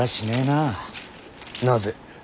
なぜ。